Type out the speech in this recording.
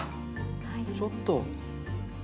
ちょっと。